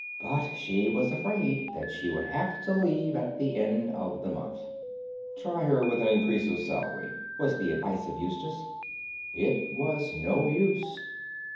But she was afraid that she would have to leave at the end of the month. "Try her with an increase of salary," was the advice of Eustace. It was no use.